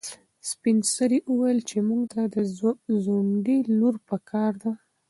سپین سرې وویل چې موږ ته د ځونډي لور په کار ده.